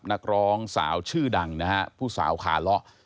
นักร้องสาวชื่อดังผู้สาวคละ